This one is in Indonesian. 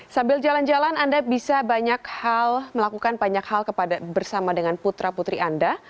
sambil jalan jalan anda bisa banyak hal melakukan banyak hal bersama dengan putra putri anda